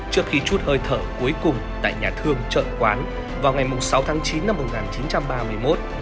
trước khi chút hơi thở cuối cùng tại nhà thương trợ quán vào ngày sáu tháng chín năm một nghìn chín trăm ba mươi một